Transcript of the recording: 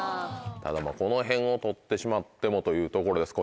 ただこのへんを取ってしまってもというところです